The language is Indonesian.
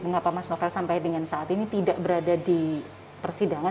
mengapa mas novel sampai dengan saat ini tidak berada di persidangan